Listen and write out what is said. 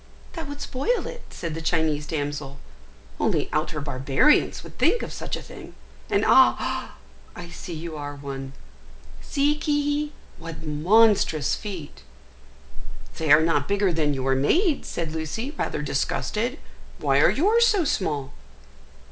"That would spoil it," said the Chinese damsel; "only outer barbarians would think of such a thing. And, ah! I see you are one! See, Ki hi, what monstrous feet!" "They are not bigger than your maid's," said Lucy, rather disgusted. "Why are yours so small?"